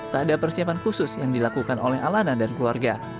tak ada persiapan khusus yang dilakukan oleh alana dan keluarga